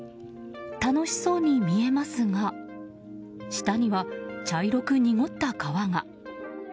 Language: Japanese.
楽しそうに見えますが下には茶色く濁った川が。